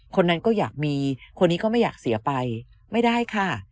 คนนั้นก็อยากมีคนนี้ก็ไม่อยากเสียไปไม่ได้ค่ะ